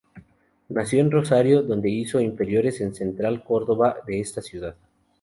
Nació en Rosario, donde hizo inferiores en Central Córdoba de esa ciudad.